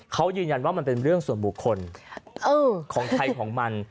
เขายืนยันว่ามันเป็นเรื่องส่วนบุคคลของใครของมัน